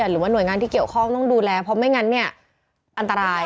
หรือว่าหน่วยงานที่เกี่ยวข้องต้องดูแลเพราะไม่งั้นเนี่ยอันตราย